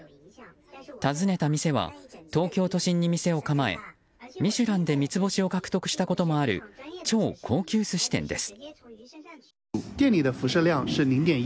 訪ねた店は東京都心に店を構え「ミシュラン」で三つ星を獲得したこともある超高級寿司店です。